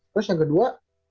terus yang kedua